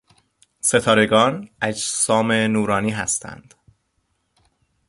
ستارگان اجسام نورانی هستند.